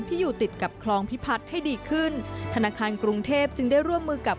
ที่อยู่ติดกับคลองพิพัฒน์ให้ดีขึ้นธนาคารกรุงเทพจึงได้ร่วมมือกับ